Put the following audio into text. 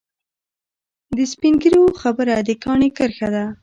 د سپین ږیرو خبره د کاڼي کرښه ده.